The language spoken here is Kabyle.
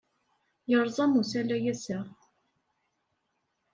Yerẓem usalay ass-a?